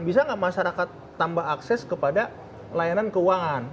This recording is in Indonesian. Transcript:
bisa nggak masyarakat tambah akses kepada layanan keuangan